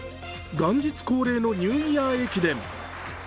元日恒例のニューイヤー駅伝。